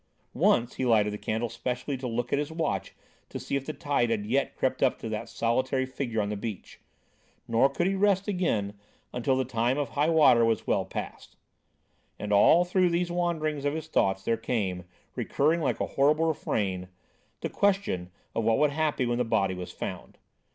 Once he lighted the candle specially to look at his watch to see if the tide had yet crept up to that solitary figure on the beach; nor could he rest again until the time of high water was well past. And all through these wanderings of his thoughts there came, recurring like a horrible refrain, the question what would happen when the body was found?